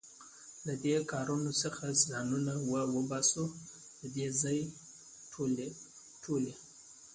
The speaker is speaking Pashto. له دې کاروان څخه ځانونه وباسو، د دې ځای ټولې.